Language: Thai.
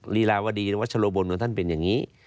ลีลาวดีนวัชโลบนของท่านเป็นอย่างนี้